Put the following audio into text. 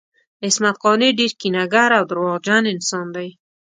عصمت قانع ډیر کینه ګر او درواغجن انسان دی